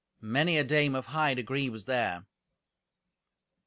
Many a dame of high degree was there.